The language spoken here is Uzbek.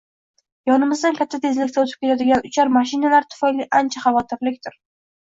yonimizdan katta tezlikda o‘tib ketadigan uchar mashinalar tufayli ancha xavotirlikdir.